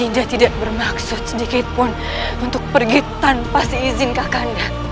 dinda tidak bermaksud sedikitpun untuk pergi tanpa izin kakanda